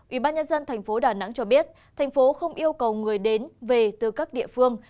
ủy ban nhân dân thành phố đà nẵng cho biết thành phố không yêu cầu người đến về từ các địa phương